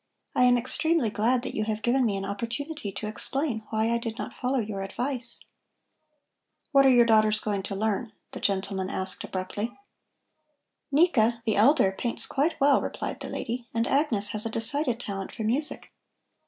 I am extremely glad that you have given me an opportunity to explain why I did not follow your advice." "What are your daughters going to learn?" the gentleman asked abruptly. "Nika, the elder, paints quite well," replied the lady, "and Agnes has a decided talent for music.